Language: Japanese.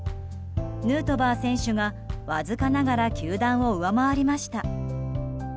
ヌートバー選手がわずかながら球団を上回りました。